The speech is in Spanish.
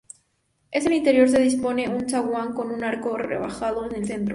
En el interior se dispone un zaguán con arco rebajado en el centro.